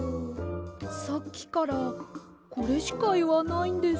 さっきからこれしかいわないんです。